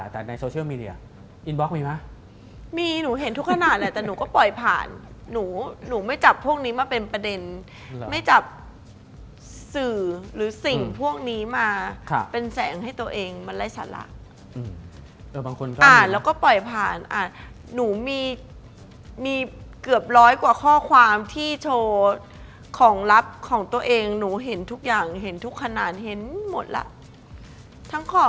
นั่นแหละค่ะค่ะค่ะค่ะค่ะค่ะค่ะค่ะค่ะค่ะค่ะค่ะค่ะค่ะค่ะค่ะค่ะค่ะค่ะค่ะค่ะค่ะค่ะค่ะค่ะค่ะค่ะค่ะค่ะค่ะค่ะค่ะค่ะค่ะค่ะค่ะ